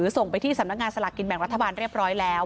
ส่งไปที่สำนักงานสลากกินแบ่งรัฐบาลเรียบร้อยแล้ว